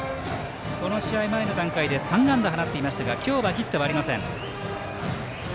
この試合前の段階で３安打を放っていましたが今日はヒットはありません。